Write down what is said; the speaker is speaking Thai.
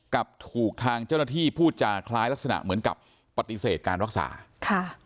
กับถูกทางเจ้าหน้าที่พูดจาคล้ายลักษณะเหมือนกับปฏิเสธการรักษาค่ะ